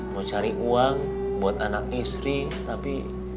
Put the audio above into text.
mau cari uang buat anak istri tapi